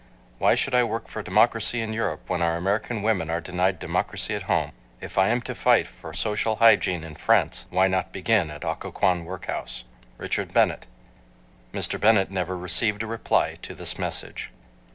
Why should I work for democracy in Europe when our American women are denied democracy at home? If I am to fight for social hygiene in France, why not begin at Occoquan workhouse? RICHARD BENNETT. Mr. Bennett never received a reply to this message.